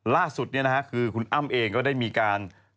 ล่าสุดคือคุณอ้ำเองก็ได้มีการ